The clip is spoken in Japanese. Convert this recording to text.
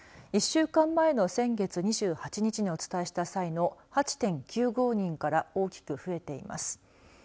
１週間前の先月２８日にお伝えした際の８．９５人から大きく増えています。